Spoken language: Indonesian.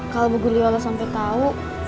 kalau bu guliwala sampai tahu